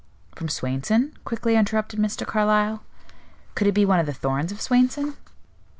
"From Swainson?" quickly interrupted Mr. Carlyle. "Could it be one of the Thorns of Swainson?"